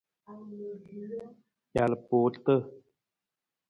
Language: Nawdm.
Jalpuurata.